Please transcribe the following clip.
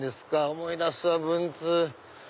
思い出すわ文通。